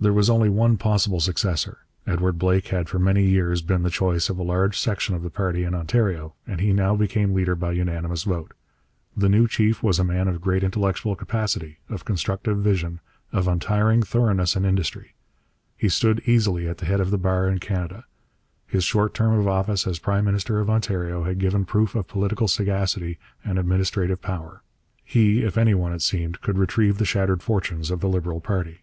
There was only one possible successor. Edward Blake had for many years been the choice of a large section of the party in Ontario, and he now became leader by unanimous vote. The new chief was a man of great intellectual capacity, of constructive vision, of untiring thoroughness and industry. He stood easily at the head of the bar in Canada. His short term of office as prime minister of Ontario had given proof of political sagacity and administrative power. He, if any one, it seemed, could retrieve the shattered fortunes of the Liberal party.